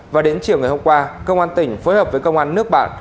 và đến chiều ngày hôm qua công an tỉnh phối hợp với công an nước bạn